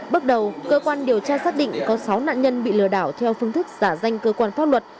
bước đầu cơ quan điều tra xác định có sáu nạn nhân bị lừa đảo theo phương thức giả danh cơ quan pháp luật